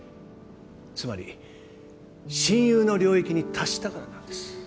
つまり親友の領域に達したからなんです。